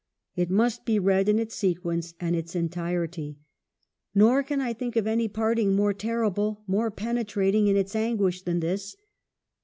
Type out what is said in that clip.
It must be read in its sequence and its entirety. Nor can I think of any parting more terrible, more penetrating in its anguish than this.